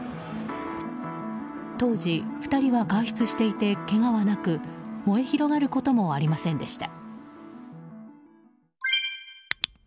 当時、２人は外出していてけがはなく燃え広がることもありませんでした。